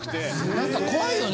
なんか怖いよね